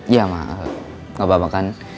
ya gak apa apa kan